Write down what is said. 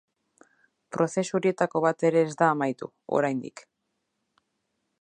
Prozesu horietako bat ere ez da amaitu, oraindik.